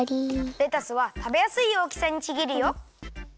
レタスはたべやすいおおきさにちぎるよ。